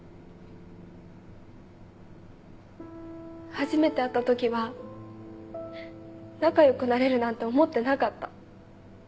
初めて会ったときは仲良くなれるなんて思ってなかった。